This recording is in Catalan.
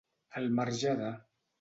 Al marge de.